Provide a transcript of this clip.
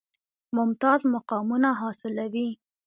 ممتاز مقامونه حاصلوي.